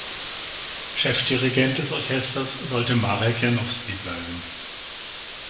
Chefdirigent des Orchesters sollte Marek Janowski bleiben.